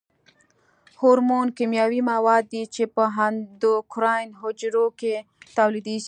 هورمون کیمیاوي مواد دي چې په اندوکراین حجرو کې تولیدیږي.